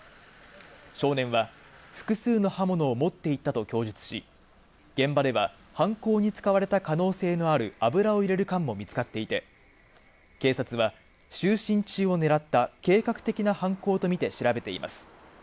少年は複数の刃物を持っていったと供述し、現場では犯行に使われた可能性のある油を入れる缶も見つかっていて、警察は就寝中をねらった計画的な犯行とみて調べています。